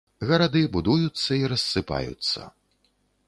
Гарады будуюцца і рассыпаюцца.